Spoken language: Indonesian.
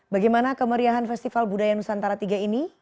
bagaimana kemeriahan festival budaya nusantara tiga ini